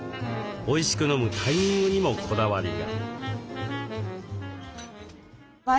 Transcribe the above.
おいしく飲むタイミングにもこだわりが。